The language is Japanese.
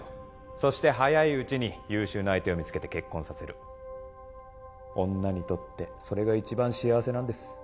そして早いうちに優秀な相手を見つけて結婚させる女にとってそれが一番幸せなんです